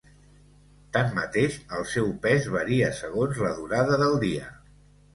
Tanmateix, el seu pes varia segons la durada del dia.